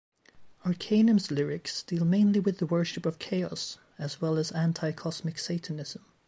Arckanum's lyrics deal mainly with the worship of Chaos, as well as anti-cosmic Satanism.